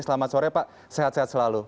selamat sore pak sehat sehat selalu